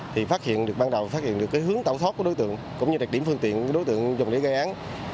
thì phát hiện được ban đầu phát hiện được hướng tạo thoát của đối tượng cũng như đặc điểm phương tiện của đối tượng dùng để gây án